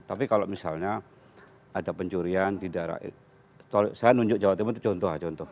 tapi kalau misalnya ada pencurian di daerah itu saya nunjuk jawa timur itu contoh contoh